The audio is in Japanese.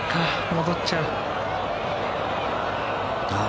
戻っちゃう。